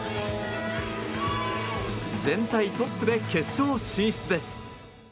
全体トップで決勝進出です。